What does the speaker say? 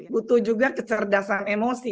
butuh juga kecerdasan emosi